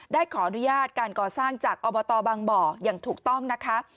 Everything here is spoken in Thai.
ได้ขออนุญาตการก่อสร้างจากอบตบางบ่ออย่างถูกต้องนะคะ